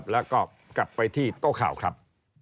แล้วก็กลับไปที่โต๊ะข่าวครับ